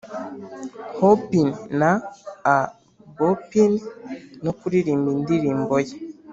hoppin 'na a-boppin' no kuririmba indirimbo ye